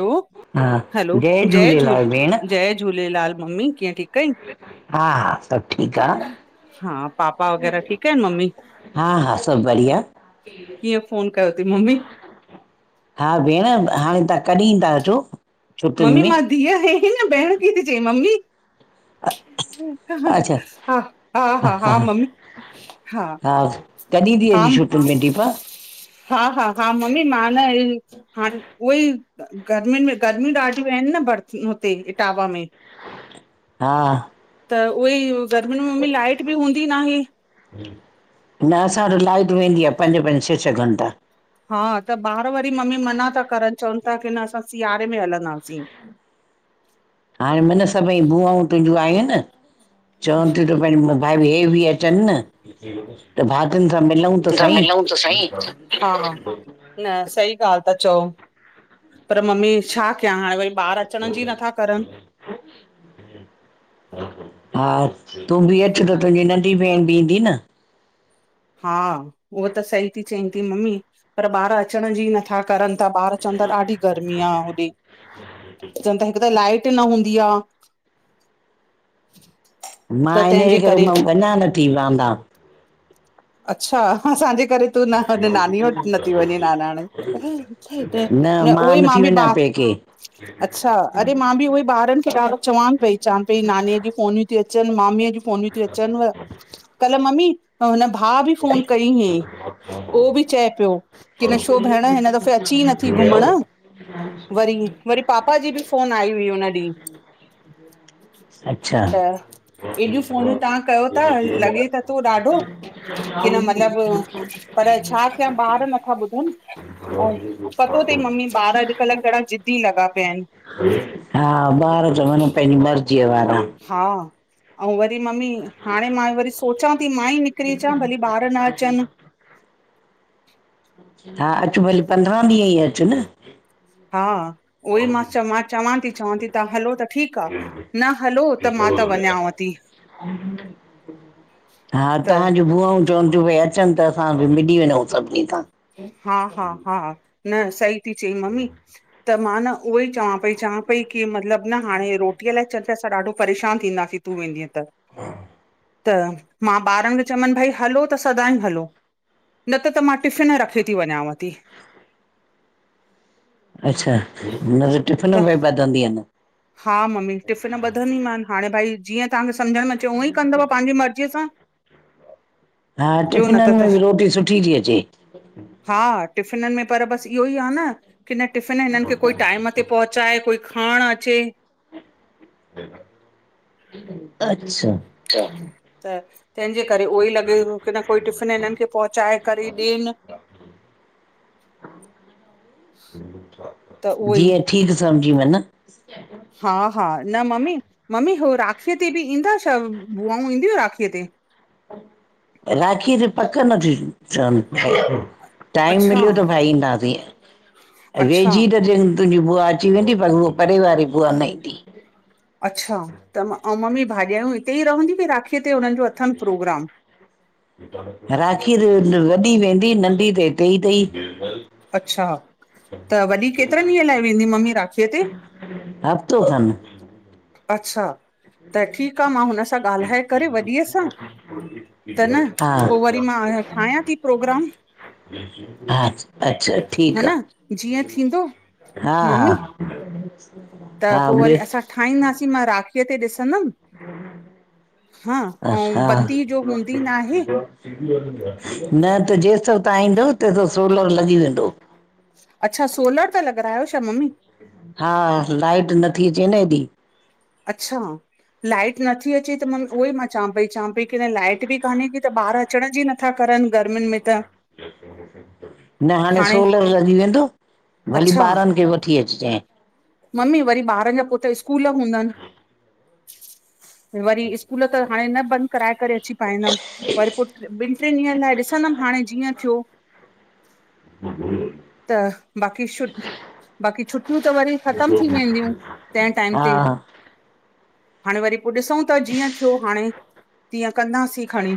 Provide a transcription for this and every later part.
लो हा हलो जय झूल झूलेलाल भेण जय झूलेलाल ममी कीअं ठीकु आहीं? हा सभु ठीकु आ। हा पापा वग़ैरह ठीकु आहिनि मम्मी? हा हा सभु बढ़िया। कीअं फोन कयो तई मम्मी? हा भेण हाणे तहां कॾीं ता अचो? छुटियुनि मम्मी में मां धीअ आहे की न भेण कीथे चईं ममी। अच्छा हा हा हा हा मम्मी। हा, हा, कॾीं ती हा अची छुटियुन में दीपा? हा हा हा मम्मी मां न हाणे उहो ई गर्मियुनि में ग गर्मियूं ॾाढियूं आहिन न बरथ हुते इटावा में। हा, त उहेई गर्मियुनि में मम्मी लाइट बि हूंदी नाहे। न असां वटि लाइट वेंदी आहे पंज पंज छह छह घंटा। हा त ॿार वरी मम्मी मना था करनि चवनि था की न असां सीआरे में हलंदासीं। हाणे मन सभई बुआऊं तुहिंजूं आयूं एन। चवनि थियूं त भाई हे बि अचनि न त भाभियुनि सां मिलऊं। तूसां मिलऊं त साई। हा न सही ॻाल्ह ता चओ पर मम्मी छा कयया हाणे वरी बार अचण जी नथा करण। हा तूं बि अचु त तुंहिंजी नंढी भेण बि ईंदी न। हा उहा त सही थी चईं थी मम्मी पर ॿार अचण जी नथा करनि था ॿार चवनि था ॾाढी गर्मी आ होॾे। चवनि था हिकु त लाइट न हूंदी आ। मां त इनजे तंहिंजे करे मां वञा न थी वहंदा। अच्छा, असांजे करे तूं न हुन नानी वटि नथी वञे नानाणे न उहो ई मां नथी बा वञा पेके अच्छा, अड़े मां बि उहई ॿारनि खे ॾाढो चवांनि पेई चवां पई नानीअ जी फोन ती अचनि मामीअ जी फोनीयूं ती अचनव कल्ह ममी ओ हिन हा बि फ़ोन कई हुईं ओ बि चए पियो की न छो भेण हिन दफ़े अची ई नथी घुमण वरी, वरी पापा जी बि फोन आई हुई हुन ॾींहं अच्छा त हेॾियूं फ़ोनूं तव्हां कयो था लॻे त थो ॾाढो के न मतलब पर छा कयां? ॿार नथा ॿुधन अऊं पतो तई मम्मी ॿार अजकल घणा ज़िदी लॻा पया आहिन। हा ॿार चवनि पंहिंजी मर्जीअ वारा। हा, आऊं वरी मम्मी हाणे मां वरी सोचां थी मां ई निकरी अचां भली ॿार न अचन। हा अचु भलीे पंद्रहं ॾींहं ई अचु न। हा उहो ई मां च मां चवां थी चवां थी। तां हलो त ठीक आ न हलो त मां त वञांव थी। हा त तव्हांजू बुआऊं चवनि थियूं भई अचनि त असां बि मिली वञऊं सभिनी सां। हा हा हा न सही थी चई मम्मी। त मां न उहोई चवां पई चवां पई की मतलब न हाणे रोटीअ लाइ चरफेस ॾाढो परेशान थींदासीं। तूं वेंदीअ त। त मां ॿारन खे चमन भई हलो त सदाईं हलो न त त मां टिफ़िन रखी। ती वञयाव ती। अच्छा न त टिफ़िन में बधंदीयन। हा मम्मी टिफ़िन ॿधंदीमान हाणे भाई जीअं तांन्जे सम्झ में अचे उअं ई कंदव पांजे मर्ज़ीअ सां। हा ॿियो न टिफ़िनन त त में बि रोटी सुठी थी अचे। हा टिफ़िनन में पर बस इहो ई आह न की न टिफ़िन हिनन खे कोई टाइम। ते पहुचाए कोई खांन अचे। अच्छा। त तं हिंजे करे उहो ई लॻे की न कोई टिफ़िन हिनन खे पहुचाए करे ॾेन। [inaudible] त उहो ई जीअं ठीक समझी मन। स्केडुअल। हा हा न मम्मी मम्मी हो राखीअ ते बि ईंदा छा बुआऊं ईंदियूं राखीअ ते? राखीय ते पक्क नथी चवन। टाइम अच्छा मिलियो त भाई ईंदासीं ऐं अच्छा वेझी तन। तुंहिंजी बुआ अची वेंदी पर उहा परे वारी बुआ न ईंदी। अच्छा त अं मम्मी भाॾायूं हिते ई रहंद्यूं कि राखीअ ते हुनन जो अथन प्रोग्राम? राखीय ते वॾी वेंदी नंढी त हिते ही तई। अच्छा त वॾी केतरनि ॾींहंन लाइ वेंदी मम्मी राखीअ ते? हफ्तो खन। अच्छा त ठीक आ मां हुन सां ॻाल्हाए करे वॾीअ सां। त न हा पो वरी मां ठायां थी प्रोग्राम। [unintelligible] हा अच्छा हा ठीक आ न जीअं थींदो हा मम्मी हा। त हा पो वरी असां ॿियो ठाहींदासीं मां राखीअ ते ॾिसंदम। अच्छा हूंदी न आहे न त जे सभ। तां ईंदव त दोसो अलॻ वेंदो। अच्छा सोलर ता लॻरायो छा मम्मी? हा लाइट नथी अचे न ऐॾी। अच्छा। लाइट नथी अचे त मां उहो ई मां चवां पई चवां पई की लाइट बि कान्हे की त ॿार अचण जी न। नथा करन गर्मियुनि में त। न हाणे सोलर लॻी वेंदो भली अच्छा ॿारनि खे वठी अचिजांइ। मम्मी वरी ॿारन जा पो त स्कूल हूंदन वरी स्कूल त। हाणे न बंद कराए करे। अची पाईंदम वरी पो ॿिन ट्रिन ॾींहंन लाइ ॾिसंदम हाणे जीअं थियो। त बाक़ी छु बाक़ी छुटियूं त वरी। ख़तम थी वेंदियूं तंहे टाइम हा ते। हाणे वरी पो ॾिसौं था जीअं थियो हाणे तीअं कंदासीं खणी।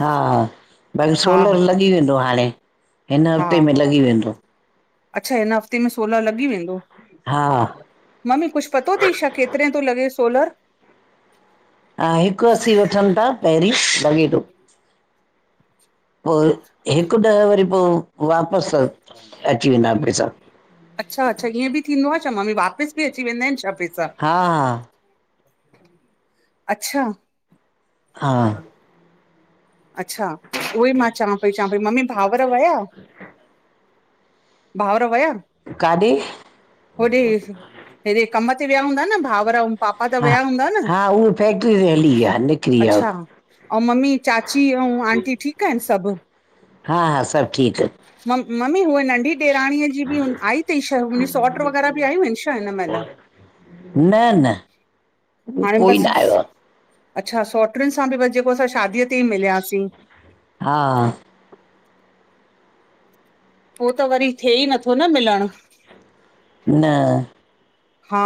हा भई हा सोलर लॻी वेंदो हाणे। हिन हा हफ़्ते में लॻी वेंदो। अच्छा हिन हफ़्ते में सोलह लॻी वेंदो हा मम्मी कुछु पतो अथई छा केतिरे थो लॻे सोलर हिकु अस्सी वठनि था पहिरीं बाक़ी पोइ हिकु ॾह वरी पोइ वापसि त अची वेंदा पैसा अच्छा अच्छा ईअं बि थींदो आहे छा मम्मी वापसि बि अची वेंदा आहिनि छा पैसा हा हा अच्छा हा अच्छा उहोई मां चवां पई चवां पई मम्मी भावर वया भावर वया आहिन काॾे होॾे हेॾे कम ते विया हूंदा न भाउर पापा त हा विया हूंदा न हा उहा फैक्ट्री ते हली विया निकिरी विया अच्छा ऐं मम्मी चाची ऐं आंटी ठीकु आहिनि सभु। हा हा सभु ठीक मम्मी हुए नंढी ॾैराणीअ जी बि आई अथई छा मुंहिंजी सौटृ् वग़ैरह बि आयूं आहिनि छा हिन महिल न न उ हाणे कोई न बसि आयो आहे अच्छा सोट्रिन सां बि बसि जेको असां शादीअ ते ई मिलियासीं हा पो त वरी थिए ई नथो न मिलणु न हा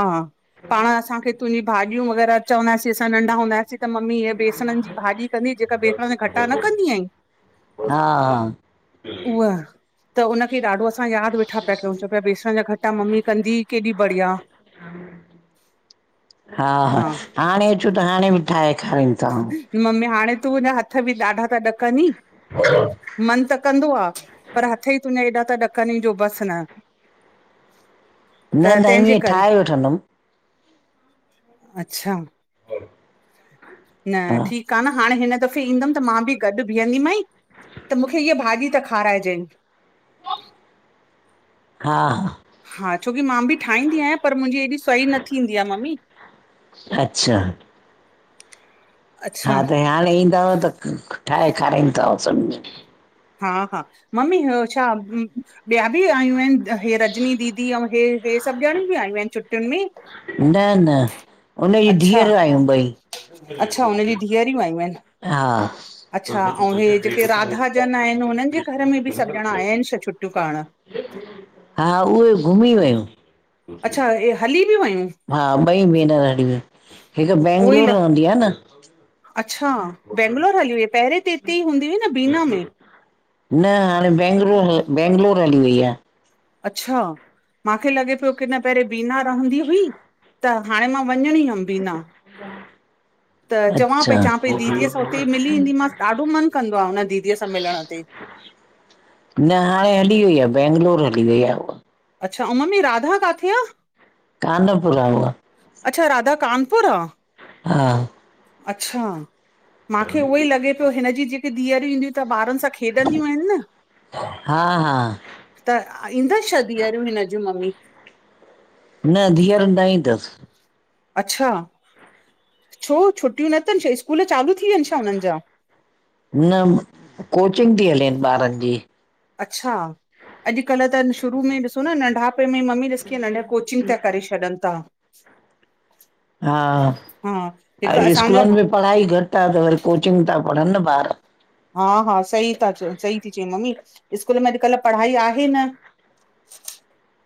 पाण असांखे तुंहिंजी भाॼियूं वग़ैरह चवंदासीं असां नंढा हूंदासीं त मम्मी इीअ बेसणनि जी भाॼी कंदी जेका बेसण गटा न कंदी आहीं हा हा उहाह त उनखे ॾाढो असां यादि वेठा पिया कयूं च पियाेण बेसन जा गटा मम्मी कंदी केॾी बढ़िया हा हा हाणे अचूं त हाणे बि ठाहे खारनि मम्मी हाणे तूं तुहिंजा हथ बि ॾाढा ता ॾकंदी मन त कंदो आहे पर हथ ई तुंहिंजे हेएॾा त ॾकनि ई जो बसि न त न न तंहिंजे ईअं करे। ठाहे वठंदमि अच्छा [inaudible] न हा ठीक आहे न हाणे हिन दफ़ो ईंदंमि त मां बि गॾु बीहंदी माई त मूंखे इीअ भाॼी त खाराइजइ। हा हा हा छोकी मां बि ठाहींदी आहियां पर मुंहिंजी हेएॾी सई न थींदी आहे मम्मी अच्छा अच्छा हा त हाणे ईंदव त ठाहे खाराईंदव सभनि खें हा हा मम्मी छा ॿिया बि आयूं आहिनि इ रजनी दीदी ऐं हे हे सभु ॼणियूं बि आयूं आहिनि छुट्टियुनि में न न हुनजी अच्छा धीअर आहियूं ॿई। अच्छा हुनजी धीअरियूं आयूं आहिनि हा अच्छा ऐं हे जेके राधा ॼणा आहिनि हुननि जे घर में बि सभु ॼणा आया आहिनि छ छुटियूं करणु हा उहे घुमी वियो। अच्छा हे हली बि वियूं? हा ॿई भेनर हली वियूं हिकु उहोई बैंगलोर ल रहंदी आहे न अच्छा बैंगलोर हली हुई पहिरें त हिते ई हूंदी हुई न बीना मे न हाणे बैंगलोर हल बैंगलोर हली वेई आहे। अच्छा मांखे लॻे पियो की न पहिरीं बीना रहंदी हुई त हाणे मां वञणी हुयमि। बीना त चवां पई अच्छा चव पई दीदीअ सां हुते ई मिली ईेंदीमसि ॾाढो मन कंदो आहे हुन दीदीअ सां मिलण ते। न हाणे हली वई आहे बैंगलोर हली वेई आहे उहा अच्छा ऐं मम्मी राधा काथे आ? कानपुर हा उहा। अच्छा राधा कानपुर आहे। हा। अच्छा मांखे उहोई लॻे पियो हिनजी जेकी धीअर ईंदियूं त ॿारनि सां खेॾंदियूं आहिनि न। हा हा त ईंदसि छ धीअरूं हिन जूं मम्मी? न धीअर न ईंदस। अच्छा छो छुटियूं न अथनि छा स्कूल चालू थी वियानि छा हुननि जा? न कोचिंग थी हले ॿारनि जी। अच्छा अॼुकल् त शुरू में ॾिसो न नंढापे में मम्मी ॾिस नंढा कोचिंग था करे छॾन था। हा हा अ हिकु असांजा स्कूलनि में पढ़ाई घटि आहे त वरी कोचिंग था पढ़नि न ॿार। हा हा सही ता च सही थी चई मम्मी स्कूल में अॼुकल्ह पढ़ाई आहे न। [inaudible]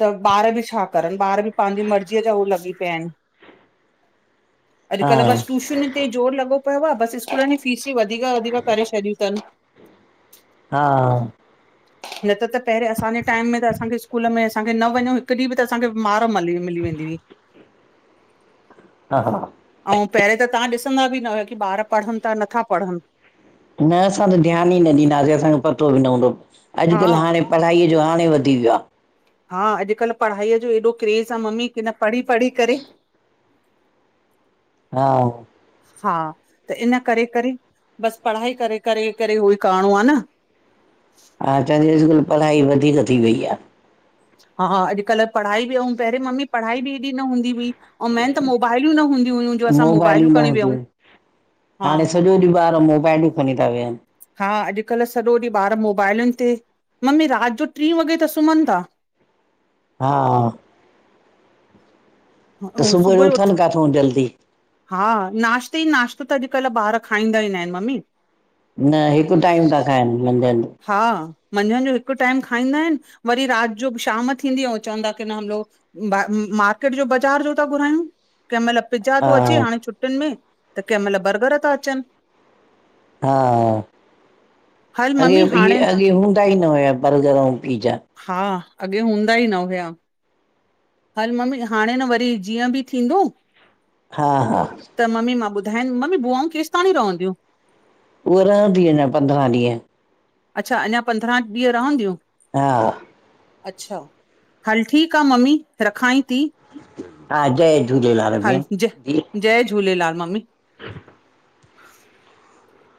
त ॿार बि छा करनि ॿार बि पंहिंजी मर्ज़ीअ जा उ लॻी पिया आहिनि। [inaudible] हा अॼुकल्ह बसि ट्यूशन ते जोर लॻो पियो आहे बसि स्कूलनि जी फीसूं वधीक वधीक करे छॾियूं अथनि। हा न त त पहिररीं असांजे टाइम में त असांखे स्कूल में असांखे न वञो हिकु ॾींहुं बि त असांखे मार मली मिली वेंदी हुई। [inaudible] हा हा ऐं पहिररीं त तव्हां ॾिसंदा बि न हुयो की ॿार पढ़नि था नथा पढ़नि न असां त ध्यानु ई न ॾींदासीं असांखे पतो बि हूंदो हा अॼुकल् हाणे। पढ़ाईअ जो हाणे वधी वियो आहे। हा अॼुकल्ह पढ़ाईअ जो एॾो क्रेज़ आहे मम्मी की न पढ़ी पढ़ी करे हा हा त इन करे करे बसि पढ़ाई करे करे करे उहो ई करिणो आहे न। हा चवां अॼकुल पढ़ाई वधीक थी वई आहे। हा हा अॼुकल्ह पढ़ाई बि ऐं पहिरं मम्मी पढ़ाई बि हेएॾी न हूंदी हुई अ मेन त मोबाइलूं ई न हूंदी हु मोबाइल ई न हुंदीयु हा हाणे सॼो ॾींहुं ॿार मोबाइलूं खणी था वेहनि। हा अॼुकल्ह सॼो ॾींहुं ॿार मोबाइलुनि ते मम्मी राति जो टीं वॻे त सुम्हनि था। हा त सुबुह जो उथनि काथूं जल्दी हा नाश्ते ई नाश्तो त अॼुकल्ह ॿार खाईंदा ई न आहिनि मम्मी। न हिकु टाइम था खाइनि मंझंन हा मंझंदि जो हिकु टाइम खाईंदा आहिनि वरी राति जो शाम थींदी अंऊँ चवंदा की न हम लोग मार्किट जो बाजार जो था घुरायूं कंहिं महिल पिज्जा थो अचे हा हाणे छुट्टियुनि में, त कंहिं महिल बर्गर था अचनि हा हल अॻे मम्मी इहे हाणे अॻे हूंदा ई न हुया बर्गर अंऊँ पीजा हा अॻे हूंदा ई न हुया हल मम्मी हाणे न व री जीअं बि थींदो हा हा त ममी मां ॿुधायन, ममी बुआऊं केसतांणी रहवंदियूं उह रहंदी थी अंञा पंद्रहं ॾींहं अच्छा अञा पंद्रहं ॾींहं रवहंदियूं हा अच्छा हल ठीकु आ मम्मी रखांइ थी हा जय झूलेलाल हल भेण जय जी जय झूलेलाल मम्मी